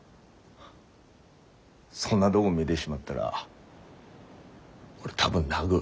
そんなどご見でしまったら俺多分泣ぐ。